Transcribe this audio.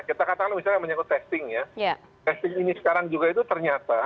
kita katakan misalnya menyangkut testing ya testing ini sekarang juga itu ternyata